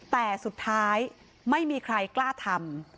แต่สุดท้ายไม่มีใครกล้าทำ